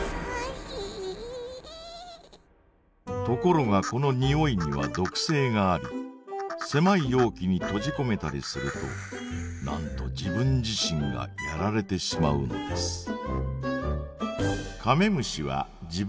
ところがこのにおいには毒性がありせまい容器に閉じこめたりするとなんと自分自身がやられてしまうのです。